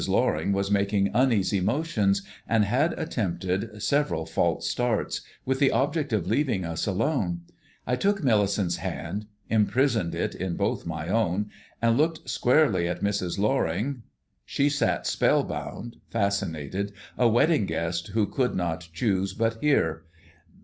Loring was making uneasy motions, and had attempted several false starts, with the object of leaving us alone. I took Millicent's hand, imprisoned it in both my own, and looked squarely at Mrs. Loring. She sat spellbound, fascinated, a wedding guest who could not choose but hear.